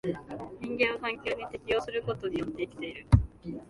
人間は環境に適応することによって生きている。